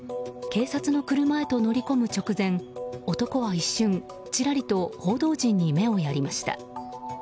警察の車へと乗り込む直前男は一瞬ちらりと報道陣に目をやりました。